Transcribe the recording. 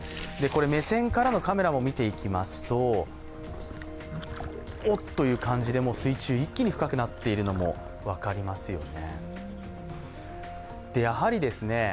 目線からのカメラも見ていきますと、おっという感じで、水中、一気に深くなっているのも分かりますよね。